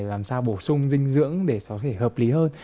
làm sao bổ sung dinh dưỡng để có thể hợp lý hơn